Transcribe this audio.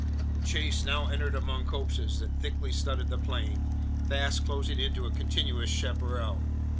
The chase now entered among copses that thickly studded the plain, fast closing into a continuous chapparal.